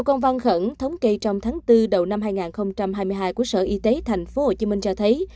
công văn khẩn thống kê trong tháng bốn đầu năm hai nghìn hai mươi hai của sở y tế tp hcm cho thấy